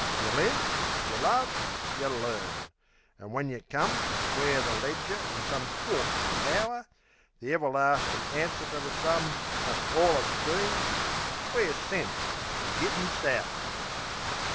Yeh live, yeh love, yeh learn; an' when yeh come To square the ledger in some thortful hour, The everlastin' answer to the sum Must allus be, "Where's sense in gittin' sour?"